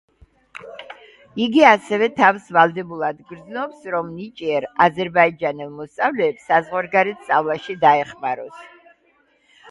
იგი ასევე თავს ვალდებულად გრძნობს რომ ნიჭიერ, აზერბაიჯანელ მოსწავლეებს საზღვარგარეთ სწავლაში დაეხმაროს.